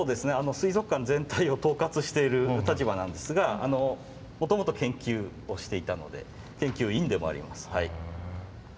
水族館全体を統括している立場なんですがもともと研究をしていたので研究員でもあります。